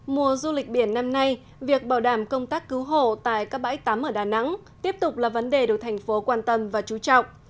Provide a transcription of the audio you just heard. mùa du lịch biển năm nay việc bảo đảm công tác cứu hộ tại các bãi tắm ở đà nẵng tiếp tục là vấn đề được thành phố quan tâm và chú trọng